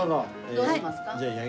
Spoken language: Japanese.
どうしますか？